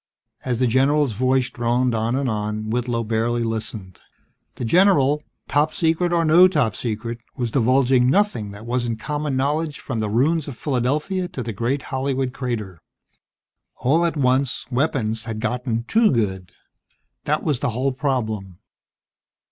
As the general's voice droned on and on, Whitlow barely listened. The general, Top Secret or no Top Secret, was divulging nothing that wasn't common knowledge from the ruins of Philadelphia to the great Hollywood crater ... All at once, weapons had gotten too good. That was the whole problem.